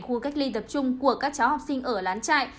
khu cách ly tập trung của các cháu học sinh ở lán trại